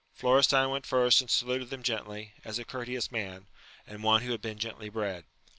Florestan went first and saluted them gently, as a courteous man, and one who had been gently bred.